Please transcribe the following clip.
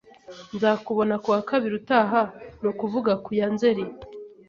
Nzakubona ku wa kabiri utaha, ni ukuvuga ku ya Nzeri.